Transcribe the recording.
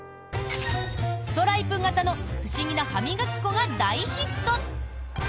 ストライプ型の不思議な歯磨き粉が大ヒット。